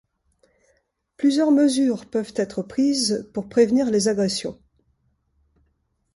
Plusieurs mesures peuvent êtres prises pour prévenir les agressions.